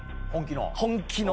本気の？